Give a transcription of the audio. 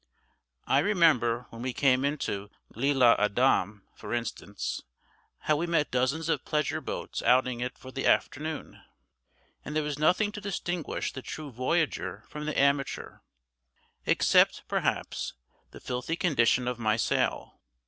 I remember, when we came into L'Isle Adam, for instance, how we met dozens of pleasure boats outing it for the afternoon, and there was nothing to distinguish the true voyager from the amateur, except, perhaps, the filthy condition of my sail.